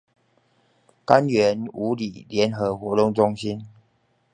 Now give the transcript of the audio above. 柑園五里聯合活動中心